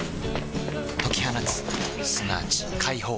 解き放つすなわち解放